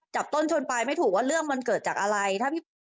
จับต้นชนไปไม่ถูกว่าเรื่องมันเกิดจากอะไร